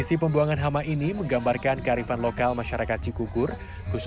jelang acara puncak serentakun